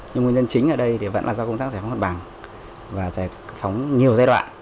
nhưng nguyên nhân chính ở đây vẫn là do công tác giải phóng mặt bằng và giải phóng nhiều giai đoạn